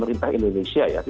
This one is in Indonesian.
pemerintah indonesia ya